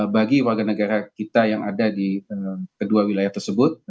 bagi warga negara kita yang ada di kedua wilayah tersebut